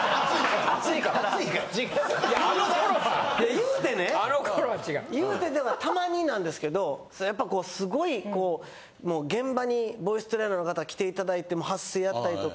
言うてね言うてっていうかたまになんですけどやっぱすごいこう現場にボイストレーナーの方来ていただいて発声やったりとか